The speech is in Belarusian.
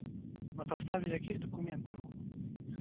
На падставе якіх дакументаў?